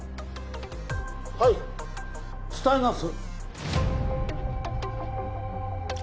はい伝えます